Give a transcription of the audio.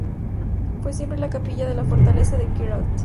Fue siempre la capilla de la fortaleza de Queralt.